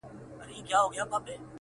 شــاعــر دمـيـني ومه درد تــه راغــلـم،